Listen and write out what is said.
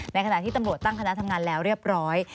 ในขณะที่ตำรวจตั้งคณะทำงานแล้วเรียบร้อย